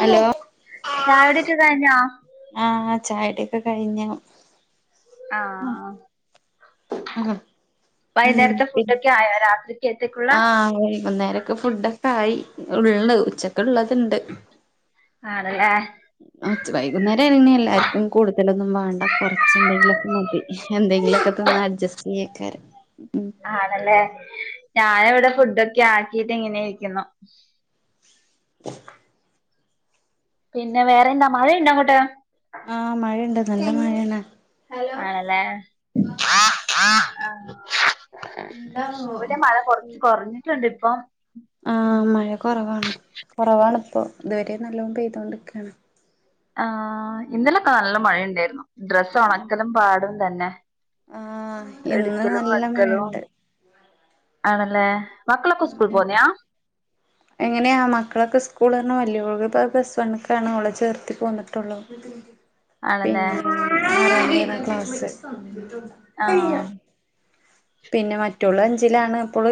Hello ചായുടിയൊക്കെ കഴിഞ്ഞാ ആഹ് ചായകുടിയോക്കെ കഴിഞ്ഞു ആഹ് ഉം വൈകുന്നേരത്തെ ഫുഡൊക്കെ ആയോ രാത്രിക്കത്തേക്കുള്ള നാളെ വെയ്കുന്നേര ഫുഡൊക്കെ ആയി ഉള്ള് ഉച്ചക്ക്ള്ളത്ണ്ട് നാളെ ലേ ച്ച് വൈകുന്നേര ആണെ എല്ലാർക്കും കൂടുതലൊന്നും വാണ്ട കൊറച്ചന്തെങ്കിലൊക്കെ മതി എന്തെങ്കിലൊക്കെ തിന്ന് അഡ്ജസ്റ്റ്യ്യക്കാര ഉം ആണല്ലേ ഞാനവടെ ഫുഡൊക്കെ ആക്കിട്ട് ഇങ്ങനെ വെക്കുന്നു. പിന്നെ വേറെ ന മഴ ഇണ്ടോ അങ്ങട്ട് ആഹ് മഴണ്ട് നല്ല മഴേണ് ആണല്ലേ ഇവിടെ മഴ കുറച്ച് കുറഞ്ഞിട്ടൊണ്ടിപ്പം ആഹ് മഴ കുറവാണ് കുറവാണിപ്പോ ഇതുവരെ നല്ലോണം പെയ്തോണ്ട്ക്കാണ് ആഹ് ഇന്നലെക്കെ നല്ല മഴയുണ്ടായിരുന്നു ഡ്രസ് ഉണക്കലും പാടും തന്നെ ആഹ് ഇന്ന് എടുക്കലും നല്ല വെക്കലും മഴണ്ട് ആണല്ല മക്കളൊക്ക ഉം സ്കൂൾ ഉം പോവുന്നിയാ എങ്ങനെയാ മക്കളൊക്കെ സ്ക്കൂള് [unintelligible] പ്ലസ് വൺക്കാണ് ഓളെ ചേർത്തി പോന്ന്ട്ടോള്ളു ആണല്ലേ പിന്നെ [inaudible] ആഹ് പിന്നെ മറ്റോൾ അഞ്ചിലാണ് അപ്പോൾ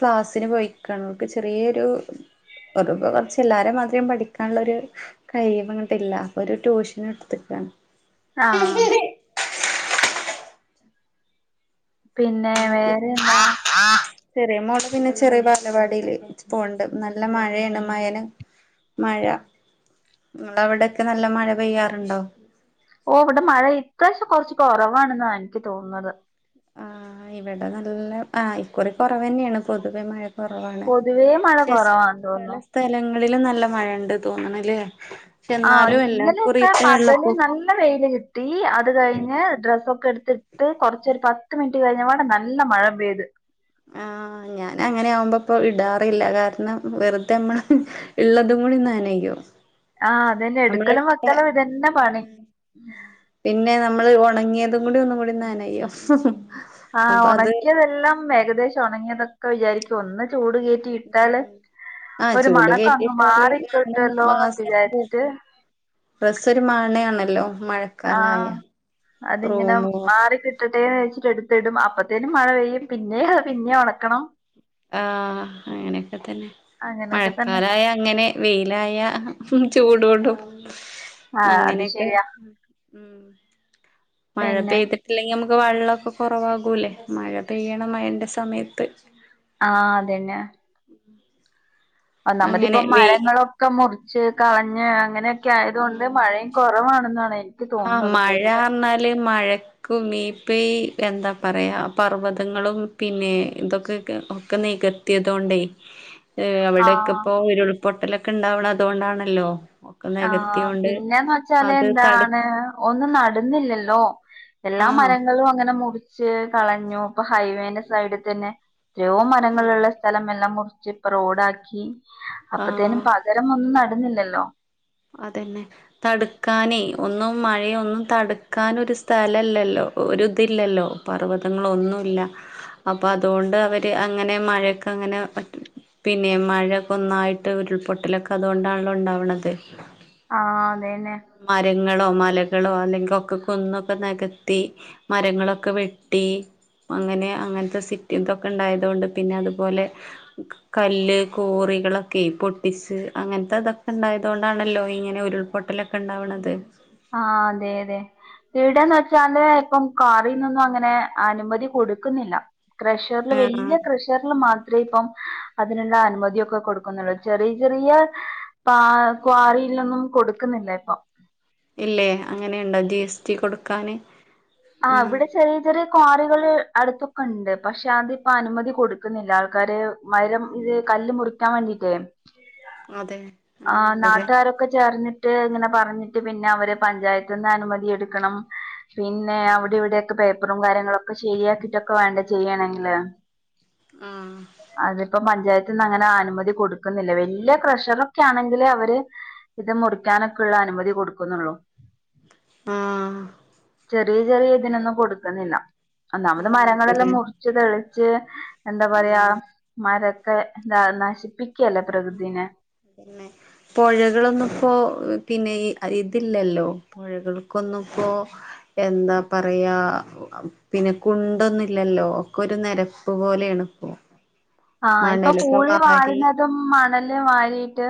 ക്ലാസ്സിന് പോയിക്കണ് ഓൾക് ചെറിയൊരു പ്പ കുറച്ച് എല്ലാരും മാത്രേം പഠിക്കാനുള്ളരു കഴിവ് അങ്ങിട്ടില്ല അപ്പൊ ഒരു ട്യൂഷൻ എടുത്തിക്കാണ് ആഹ് പിന്നെ എന്നാ വേറെ പിന്നെ എന്താ ചെറിയ മോള് പിന്നെ ചെറിയ ബാലവാടിൽ പോണ്ട് നല്ല മഴയാണ് മയ മഴ നിങ്ങടെ അവിടെയക്കെ നല്ല മഴ പെയ്യാറുണ്ടോ ഓ ഇവിടെ മഴ ഇപ്രാവശ്യം കുറച്ച് കുറവാണെന്ന എനിക്ക് തോന്നുന്നത് ആഹ് ഇവിടെ നല്ല ആഹ് ഇക്കുറി കുറവന്നെയാണ് പൊതുവെ മഴ കുറവാണ് പൊതുവേ മഴ പക്ഷെ കുറവാന്ന് പല തോന്നുന്നു സ്ഥലങ്ങളിലും നല്ല മഴ ഉണ്ട് തോന്നണല്ലേ ആഹ് എന്നാലും എല്ലാ ഇന്നലെയൊക്കെ കുറിയത്തെ പകല് വെള്ളപ്പൊക്ക നല്ല ല്ല വെയില് കിട്ടി, അത് കഴിഞ്ഞ് ഡ്രൊസ്സോക്കെ എടുത്തിട്ട് കൊറച്ചൊരു പത്ത് മിനി കഴിഞ്ഞ പാടെ നല്ല മഴ പെയ്ത് ആഹ് ഞാൻ അങ്ങനെ ആകുമ്പോ ഇപ്പൊ ഇടാറില്ല. കാരണം വെറുതെമ്മള് ഉള്ളതും കൂടി നനയും ആഹ് അതന്നെ, നമ്മള് എടുക്കലും വക്കലും ഇതന്നെ പണി. പിന്നെ നമ്മള് ഒണങ്ങിയതും കൂടി ഒന്നും കൂടി നനയ്യും ഹ്‌ ഹ് ആഹ ഉണക്കിയതെല്ലാം ഏകദേശം ഉണങ്ങിയതൊക്കെ വിചാരിക്കും. ഒന്ന് ചൂട് കയറ്റ ഇട്ടാല് ഉം ആഹ് ഒരു ചൂട് മണക്കങ്ങ് കേറ്റിട്ടാല് മണം മാറിക്കിട്ടല്ലോന്ന്ക്കെ വിചാരിച്ചിട്ട് ഡ്രസ്സ്‌ ഒരു മണണല്ലോ മഴ ആഹ് അതിങ്ങനെ മാറിക്കിട്ട ഇട്ടട്ടേന്ന് വച്ചിട്ട് എടുത്തിടു. അപ്പത്തേനും മഴ പെയ്യും പിന്നെ അത് പിന്നെ ഉണക്കണം ആഹ് അങ്ങനെയൊക്കെ തന്നെ അങ്ങനൊക്കെ തന്നെ മഴക്കാലായാ അങ്ങനെ വെയിലായ ചൂടൊണ്ടും ആഹ് അത് ശരിയാ ഉം മഴ പിന്നെ പെയ്തിട്ടില്ലെങ്കിൽ നമുക്ക് വെള്ളൊക്കെ കൊറവാകൂല്ലേ മഴ പെയ്യണം മഴന്റെ സമയത്ത് ആഹ് അതന്നെ [inaudible] നമ്മതിപ്പ അങ്ങനെ വെയിൽ മരങ്ങളൊക്കെ മുറിച്ച് കളഞ്ഞ് അങ്ങനെ ക്കായതുകൊണ്ട് ഉം മഴയും കുറവാണെന്നാണ് എനിക്ക് തോന്നുന്നത് പൊതുവെ പറഞ്ഞാല് ലെ മഴ [unintelligible] എന്താ പറയാ, പർവ്വതങ്ങളും പിന്നെ ഇതൊക്കെ ഒക്കെ നിക ത്തിയതുകൊണ്ടേ അവിടെയൊക്കെ ആഹ് ഇപ്പോ ഉരുൾപൊട്ടലൊക്കെ ഉണ്ടാവണ അതുകൊണ്ടാണല്ലോ ആഹ് പിന്നെന്ന് വെച്ചാല് അത് തടു എന്താണ് ഒന്നും നടന്നില്ലല്ലോ എല്ലാ ആ മരങ്ങളും അങ്ങനെ മുറി ച്ച് കളഞ്ഞു ഇപ്പ ഹൈവേന്റെ സൈഡിൽ തന്നെ എത്രയോ മരങ്ങളുള്ള സ്ഥലം എല്ലാം മുറിച്ച് പ്പൊ റോഡാക്കി അപ്പത്തേനും ആ പകരൊന്നും നടന്നില്ലല്ലോ അതന്നെ തടുക്കാനേ ഒന്നും മഴയൊന്നും തടുക്കാൻ ഒരു സ്ഥലല്ലല്ലോ ഒര് ഇതില്ലല്ലോ പർവ്വതങ്ങളൊന്നുംല്ല അപ്പൊ അതുകൊണ്ട് അവര് അങ്ങനെ മഴക്ക അങ്ങനെ പിന്നെ മഴ കൊന്നായിട്ട് ഉരുൾപൊട്ടലൊക്കെ അതുകൊണ്ടാണല്ലോ ഉണ്ടാവ്ണത് ആഹ് അതെന്നെ മരങ്ങളോ മലകളോ അല്ലെങ്ക ഒക്കെ കുന്നൊക്കെ നെകത്തി മരങ്ങളൊക്കെ വെട്ടി അങ്ങനെ അങ്ങൻത്തെ സി ഇതൊക്കെ ഇണ്ടായതുകൊണ്ട് പിന്നെ അതുപോലെ കല്ല് കോറികളൊക്കെ പൊട്ടിച്ച് അങ്ങൻത്തെ തൊക്കെ ഇണ്ടായ തൊണ്ടാണല്ലോ ഇങ്ങനെ ഉരുൾപൊട്ടലൊക്കെ ഇണ്ടാവ്ണത് ആഹ് അതെ അതെ ഇവിടെന്ന് വെച്ചാല് ഇപ്പം കാറിന്നൊന്നും അങ്ങനെ അനുമതി കൊടുക്കുന്നില്ല കുഷറ്ല് വല്യ ആഹ് കൃ റ്‌ല് മാത്ര ഇപ്പം അതിനുള്ള അനുമതിയൊക്കെ കൊടുക്കുന്നുള്ളൂ ചെറിയ ചെറിയ പാ ക്വാറിയിലൊന്നും കൊടുക്കുന്നില്ല ഇപ്പൊ ഇല്ലേ അങ്ങനെയുണ്ടാ ജി എസ് ടി കൊടുക്കാന് ആഹ് വിടെ ചെറിയ ചെറിയ ക്വാറികള് അടുത്തൊക്കെ ഇണ്ട് പക്ഷെ അതിപ്പോ അനുമതി കൊടുക്കുന്നില്ല ആൾക്കാര് മരം ഇത് കല്ല് മുറിക്കാൻ വേണ്ടിട്ടേ അതെ ആഹ് അങ്ങനെയുണ്ടല്ലേ നാട്ടുകാരൊ ചേർന്നിട്ട് ഇങ്ങനെ പറഞ്ഞിട്ട് പിന്നെ അവര് പഞ്ചായത്ത്ന്ന് അനുമതി എടുക്കണം പിന്നെ അവിടെ ഇവിടെക്കെ പേപ്പറും കാര്യങ്ങളൊക്കെ ശരിയാക്കിട്ടൊക്കെ വേണ്ടെ ചെയ്യണെങ്കില് ആഹ് അതിപ്പോ പഞ്ചായത്തിന്ന് അങ്ങനെ അനുമതി കൊടുക്കുന്നില്ല വല്യ പ്രഷറ് ചാണെങ്കില് അവര് ഇത് മുറിക്കാനൊക്കെള്ള അനുമതി കൊടുക്ക്ണാള്ളൂ ആഹ് ചെറിയ ചെറിയ ഇതിനൊന്നും കൊടുക്കുന്നില്ല ഒന്നാമത് മരങ്ങളെല്ലാം അങ്ങനെയുണ്ടല്ലേ മുറിച്ച് തെളിച്ച് എന്താ പറയാ ഉം മരൊക്കെ എന്താ നശിപ്പിക്കല്ലേ പ്രകൃതിനെ തന്നെ പൊഴകളൊന്നുപ്പോ പിന്നെ ഈ ഇതില്ലല്ലോ പുഴകൾക്കൊന്നും പ്പോ എന്താ പറയാ പിന്നെ കുണ്ടൊന്നുല്ലല്ലോ ഒക്കെ ഒരു നെരപ്പ് പോലെണ്പ്പോ ആഹ് ഇപ്പൊ പൂള് വാൽ പ്പം മണല് വരീട്ട്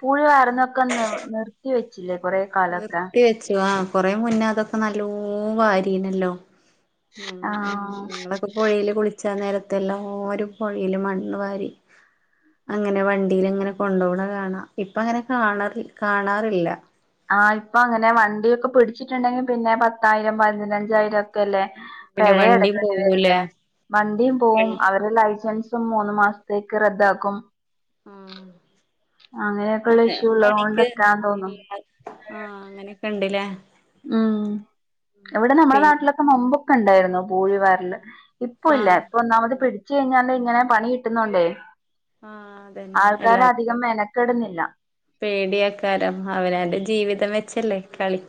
പുഴി വര്ണൊക്കെ നി നിർത്തി വെച്ചില്ലേ കൊറെ കാലൊക്കെ നിർത്തി വെച്ച് ആഹ് കൊറെ മുന്നേ അതൊക്കെ നല്ലോ വാരീണല്ലോ ആഹ് ഞങ്ങള പ്പ പൊഴെല് കുളിച്ചാ നേരത്തെല്ലാരും പൊഴേല് മണ്ണ് വാരി അങ്ങനെ വണ്ടിലങ്ങനെ കൊണ്ടവ്ണ കാണാം ഇപ്പ അങ്ങനെ കാണാറ് കാണാറില്ല ആഹ് ഇപ്പൊ അങ്ങനെ വണ്ടിയൊക്കെ പിടിച്ചിട്ടുണ്ടെങ്കിൽ പിന്നെ പത്തായിരം പതിനഞ്ചായിരം ഒക്കെ അല്ലേ പിന്നെ പഴയ വണ്ടിയും എടക്കേണ്ടി വരുന്ന പോകൂലേ വണ്ടിയും പോവും വണ്ടി അവരുടെ ലൈസൻസ് മൂന്ന് മാസത്തേക്ക് റദ്ദാക്കും ഉം അങ്ങനെയൊക്കെ ഉള്ള ഇഷ്യൂ ഉള്ള അതുകൊണ്ടൊക്കാന്ന് ഇല്ല തോന്നും ആഹ് അങ്ങനെയൊക്കെ ഉണ്ടല്ലേ ഉം ഇവിടെ നമ്മുടെ പിന്നെ നാട്ടിലൊക്കെ മുമ്പൊക്കെ ഉണ്ടായിരുന്ന പൂഴിവാല് ഇപ്പ ഇല്ല ആഹ് ഇപ്പൊ ഒന്നാമത് ഉണ്ട്. പിടിച്ചു കഴിഞ്ഞാ ഇങ്ങനെ പണി കിട്ടുന്നോണ്ടേ ആഹ് അതന്നെ എല്ലാർക്കും ആൾക്കാരധികം മെനക്കെടുന്നില്ല പേടിയക്കാരം അവനാൻ്റെ ജീവിതം വെച്ചല്ലേ കളി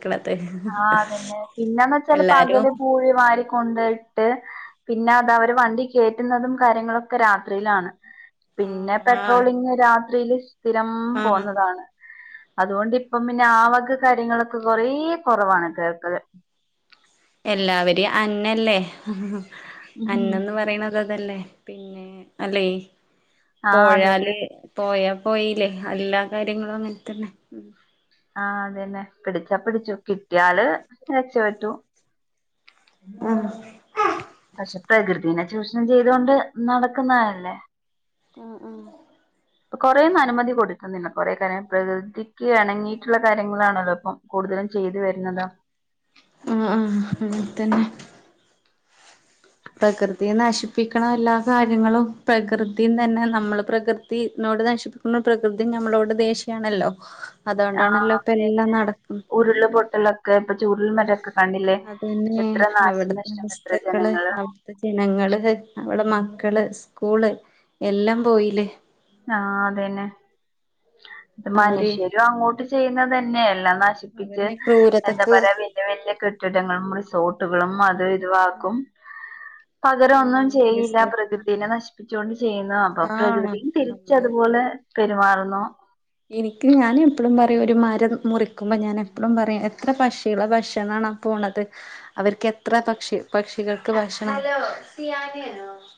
ആഹ് അതന്നെ പിന്നന്ന് വെച്ചാല് എല്ലാരും പകല് പൂഴി വാരി കൊണ്ടയിട്ട് പിന്നെ അത് അവര് വണ്ടി കയറ്റുന്നതും കാര്യങ്ങളൊക്കെ രാത്രിയിലാണ് പിന്നെ ആഹ് പെട്രോളിങ് രാത്രിൽ സ്ഥിരം ആഹ് പോകുന്നതാണ് അതുകൊണ്ട് ഇപ്പം പിന്നെ ആവക കാര്യങ്ങളൊക്കെ കൊറേ കുറവാണ് കേൾക്കത് എല്ലാവരെയും അന്നല്ലേ ഉം അന്നന്ന് പറയണ അതതല്ലേ പിന്നെ അല്ലെ ആ അതന്നെ പോഴാല് പോയാ പോയില്ലേ എല്ലാ കാര്യങ്ങളും അങ്ങനെ തന്നെ ഉം ആഹാ അതന്നെ പിടിച്ചാ പിടിച്ചു കിട്ടിയാള് രക്ഷപറ്റു ആഹ് പക്ഷെ പ്രകൃതിനെ ചൂഷണം ചെയ്ത കൊണ്ട് നടക്കുന്നതല്ലേ [inaudible] ഇപ്പ കൊറേയും അനുമതി കൊടുക്കുന്നില്ല കൊറേ കാര്യം പ്രകൃതിക്ക് ഇണങ്ങിയിട്ടുള്ള കാര്യങ്ങളാണല്ലോ ഇപ്പം കൂടുതലും ചെയ്തു വരുന്നുന്നത് ആഹ് ആഹ് അതന്നെ പ്രകൃതിയ നശിപ്പിക്കണം എല്ലാ കാര്യങ്ങളും പ്രകൃതിയും തന്നെ നമ്മള് പ്രകൃതിനോട് നശിപ്പിക്ക പ്രകൃതി നമ്മളവിടെ ദേഷ്യണല്ലോ ആ് അതന്നെ ഉരുള് പൊട്ടലൊക്കെ ഇപ്പൊ ചുരുൽ മരൊക്കെ കണ്ടില്ലേ പിന്നെ എത്ര അവിടത്തെ നാശനഷ്ടം എത്ര വസ്തുക്കള് ജനങ്ങള് ത്തെ ജനങ്ങള് അവടെ മക്കള് സ്കൂള് എല്ലാം പോയില് ആഹ് അതന്നെ അത് അവര് മനുഷ്യരും അങ്ങോട്ട് ചെയ്യുന്നത് തന്നെയല്ല ന അവന്നെ എന്താ ക്രൂരതക്ക് പറയാ വലിയ വലിയ കെട്ടിടങ്ങളും റിസോർട്ടുകളും അത് ഒഴിവാക്കും ഉം പകരംഒന്നും വിസ ചെയ്യില്ല പ്രകൃതിനെ നശിപ്പിച്ചുകൊണ്ട് ചെയ്യുന്നു അപ്പൊ ആഹ് പ്രകൃതി നമ്മള് തിരിച്ചതുപോലെ പെരുമാറുന്നു എനിക്ക് ഞാൻ എപ്പോഴും പറയും ഒരു മരം മുറിക്കുമ്പോൾ ഞാൻ എപ്പോഴും പറയും എത്ര പക്ഷികള ഭക്ഷണംണോ പോണത് അവർക്ക് എത്ര പക്ഷി പക്ഷികൾക്ക് ഭക്ഷണം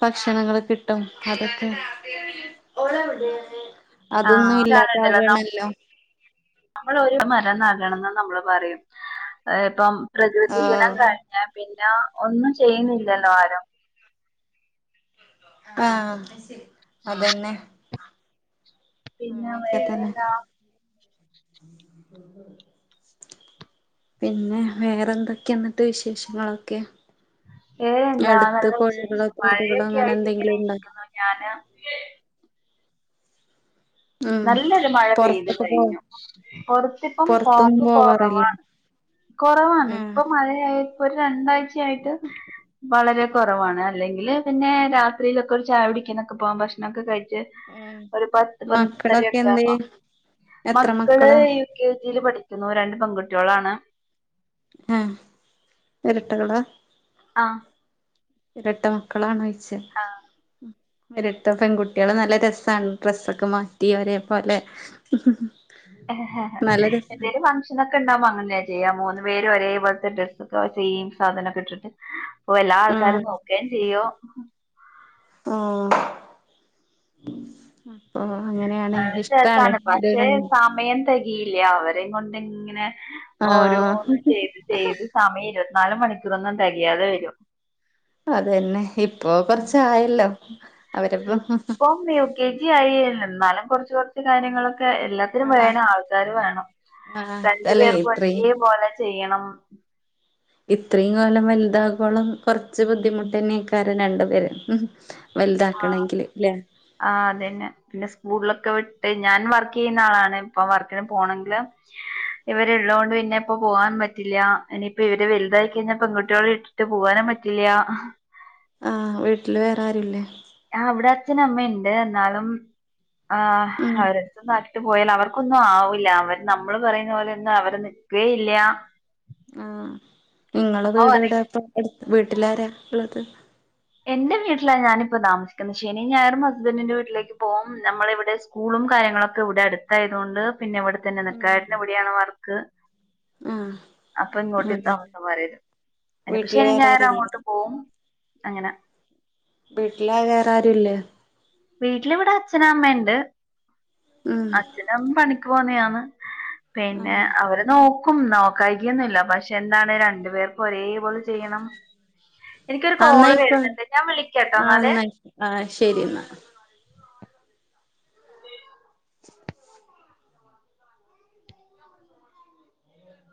ഭക്ഷണങ്ങള് കിട്ടും അതൊക്കെ ആഹ് അതൊന്നും ഇല്ലാത്ത ആകണല്ലോ നമ്മൾ ഒരു മര നാകണംന്ന് നമ്മള് പറയും ഇപ്പം പ്രകൃതി ആഹ് ദിനം കഴിഞ്ഞ പിന്നെ ഒന്നും ചെയ്യുന്നില്ലല്ലോ ആരും ആഹ് അതന്നെ പിന്നെ അങ്ങനെയൊക്കെ വേറെ തന്നെ എന്താ [inaudible] പിന്നെ വേറെ എന്തൊക്കെയ എന്നിട്ട് വിശേഷങ്ങളൊക്കെ ഏ എന്താ അടുത്ത് നല്ല പുഴകളോ വിശേഷം തോടുകളോ മഴയൊക്കെ അങ്ങനെ ആയിട്ട് ഇങ്ങനെ എന്തെങ്കിലും ഉണ്ടോ ഇരിക്കുന്നു ഞാന് ഉം നല്ലൊരു മഴ പെയ്തു പൊറത്തൊക്കെ പോ കഴിഞ്ഞു പുറത്തിപ്പം പൊറത്തൊന്നും പോക്ക് പോവാറില്ലേ കുറവാണ് കുറവാണ് ആഹ് ഇപ്പൊ മഴയ ഒരു രണ്ടാഴ്ചയായിട്ട് വളരെ കുറവാണ് അല്ലെങ്കിൽ പിന്നെ രാത്രിയിലൊക്കെ ഒരു ചായ പിടിക്കുന്നൊക്കെ പോവാാൻ ഭക്ഷണംമൊക്കെ കഴിച്ച ഏഹ് ഒരു പത്ത് പത്തര മക്കളൊക്കെ ഒക്കൊ എന്ത് ആവുമ്പൊ എത്ര മക്കള് മക്കളാ കെ ജിൽ പഠിക്കുന്നു രണ്ട് പെങ്കുട്ട്യോളാണ് ആഹ് ഇരട്ടകളാ ആഹ് ഇരട്ട മക്കളാണോയ്ച്ച? ആ ഇരട്ട പെൺകുട്ടികള് നല്ല രസാണ് ഡ്രെസ്സൊക്കെ മാറ്റി ഒരേ പോലെ [unintelligible] നല്ല രസാണ് എന്തേലും വ ഫക്ശനൊകെ ണ്ടാവുമ്പോ അങ്ങനെയാചെയ്യാമൂന്ന് പേരും ഒരേപോലത്തെ ഡ്രസ്സൊ ക്കെ ഇട്ടിട് സെയിം സാധനമൊക്കെ ഇട്ടിട്ട് പ്പൊ എല്ലാ ആൾക്കാരും ആഹ് നോക്കേം ചെയ്യും ആഹ് [unintelligible] ഓ.. അങ്ങനെണ്, നല്ല ഇഷ്ടാണ്. രസാണ്. ഒരു പക്ഷേ സമയം തെകയില്ല. അവരേം കൊണ്ട് ഇങ്ങനെ, ആഹ് ഓരോന്ന് ചെയ്ത്, ചെയ്ത്- സമയം, ഇരുവത്തിനാൽ മണിക്കൂറൊന്നും തെകയാതെ വരും. അതന്നെ. ഇപ്പൊ കൊറച്ച് ആയല്ലോ. ! ഇപ്പം യു കെ ജി ആയി. എന്നാലും, കൊറച്ച് കൊറച്ച് കാര്യങ്ങളൊക്കെ എല്ലാ [unintelligible] ആഹ് വേണം ആൾക്കാര് വേണം. ആഹ് രണ്ട് അല്ലെ പേർക്കും ഇത്രയും ഒരേ പോലെ ചെയ്യണം ഇത്രയുംകാലം വലുതാകോളം കുറച്ച് ബുദ്ധിമുട്ടനെയ്കാരം രണ്ടുപേര് ഉം വലുതാക്കണെങ്കില് ല്ലേ ആ അതന്നെ പിന്നെ സ്കൂളിലൊക്കെ വിട്ട് ഞാൻ വർക് ചെയ്യുന്ന ആളാണ് ഇപ്പൊ വർക്കിന് പോണെങ്കില് ഇവരെള്ളൊണ്ട് പിന്നെ ഇപ്പൊ പോകാൻ പറ്റില്ലാ ഇനിയിപ്പോ ഇവര് വലുതായി കഴിഞ്ഞാൽ പെൺകുട്ടികളെഇട്ടി ഇട്ട് പോവാനും പറ്റില്ലൃ ആഹ് വീട്ടില് വേറാരുല്ലേ അവിടെ അച്ഛന് അമ്മേണ്ട് എന്നാളും ആഹ് ഉം അവര ടെത്ത് മാറ്റ ഇ പോയാൽ അവർക്കൊന്നും ആവൂില്ല അവര് നമ്മള് പറയുന്ന പോലെൊന്നും അവർ നിക്കേയില്ല ആഹ് നിങ്ങള് അപ്പൊ പറയും വീടെവ്ടേ പ്പം വീട്ടിലാരാ ഉള്ളത് എന്റെ വീട്ടിലാ ഞാനിപ്പ താമസിക്കുന്നത് ശനി ഞായറും ഹസ്ബൻഡിന്റെ വീട്ടിലേക്ക് പോകവും നമ്മള് ഇവിടെ സ്കൂളും കാര്യങ്ങളുംക്കെ ഇവിടെ അടുത്തായത് കൊണ്ട് പിന്നെ ഇവിടെ തന്നെ ഉം നിക്കായേട്ടനിവിടെയാണ് വർക്ക് ആഹ് അപ്പൊ ഇങ്ങോട്ട് അതെ താമസം മാറിയത് വീട്ടില് എന്നെപ്പശനി വേറെ ഞായറും ആരുല്ലേ അങ്ങോട്ട് പോവും അങ്ങനെ വീട്ടില്‌വേ റെ ആരുല്ലേ വീട്ടിലിവിടെ അച്ഛനും അമ്മേ ണ്ട് ഉം അച്ഛനും അമ്മിംപണിക്ക് പോണെയാണ് പിന്നെ ആഹ് അവര് നോ ക്കും നോക്കായിക്കൊന്നുംല്ല പക്ഷെ എന്താണ് രണ്ടു പേർക്കും ഒരേപോലെ ചെയ്യണം എനിക്കൊരു കോള് ആന്നായിക്കോ വരുന്നുണ്ട് ഞാൻ വിളി കാട്ടോ ന്നാല് ആ ശരി എന്നാ